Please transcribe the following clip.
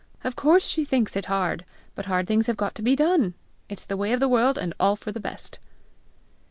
Of course she thinks it hard; but hard things have got to be done! it's the way of the world, and all for the best."